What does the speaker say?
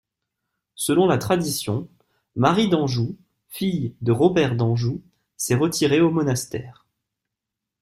Selon la tradition, Marie d'Anjou, fille de Robert d'Anjou, s'est retirée au monastère.